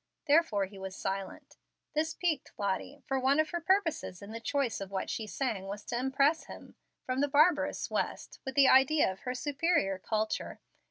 Therefore he was silent. This piqued Lottie, for one of her purposes in the choice of what she sang was to impress him, from the barbarous West, with the idea of her superior culture.